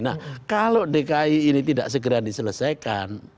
nah kalau dki ini tidak segera diselesaikan